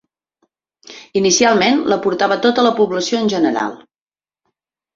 Inicialment, la portava tota la població en general.